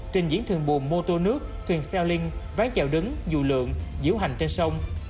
trình diễn thường buồn mô tô nước thuyền xeo linh ván chèo đứng dù lượng diễu hành trên sông